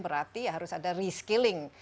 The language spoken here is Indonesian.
berarti harus ada reskilling